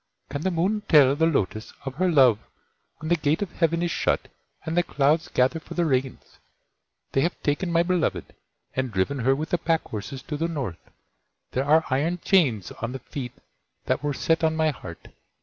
Can the Moon tell the Lotus of her love when the Gate of Heaven is shut and the clouds gather for the rains? They have taken my Beloved, and driven her with the pack horses to the North. There are iron chains on the feet that were set on my heart.